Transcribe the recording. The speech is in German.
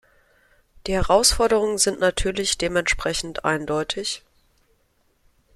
Die Herausforderungen sind natürlich dementsprechend eindeutig.